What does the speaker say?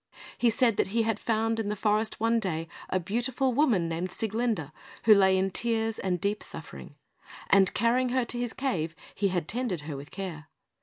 He said that he had found in the forest one day a beautiful woman, named Sieglinde, who lay in tears and deep suffering; and carrying her to his cave, he had tended her with care.